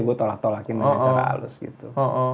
gue tolak tolakin dengan cara halus gitu